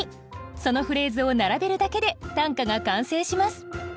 そのフレーズを並べるだけで短歌が完成します